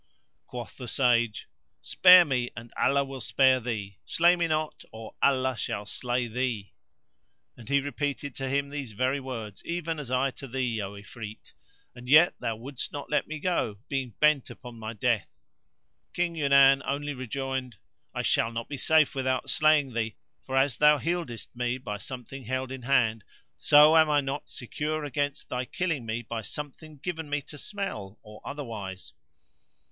Quoth the Sage, "Spare me and Allah will spare thee; slay me not or Allah shall slay thee." And he repeated to him these very words, even as I to thee, O Ifrit, and yet thou wouldst not let me go, being bent upon my death. King Yunan only rejoined, "I shall not be safe without slaying thee; for, as thou healedst me by something held in hand, so am I not secure against thy killing me by something given me to smell or otherwise."